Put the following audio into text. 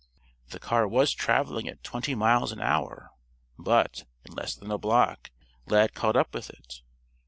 The car was traveling at twenty miles an hour. But, in less than a block, Lad caught up with it.